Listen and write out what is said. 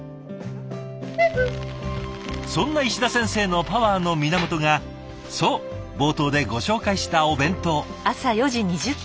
そんな石田先生のパワーの源がそう冒頭でご紹介したお弁当。